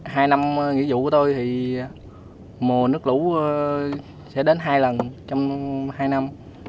hai năm nghỉ dụ của tôi thì mùa nước lũ sẽ đến hai lần trong hai năm